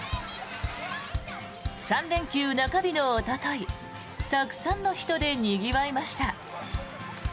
３連休中日のおとといたくさんの人でにぎわいました。